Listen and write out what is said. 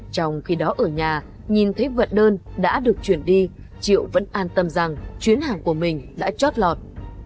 trong khi đó ở nhà nhìn thấy vật đơn đã được chuyển đi triệu vẫn an tâm rằng chuyến hàng của mình đã chót lọt